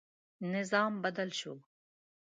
نظام بدل شو.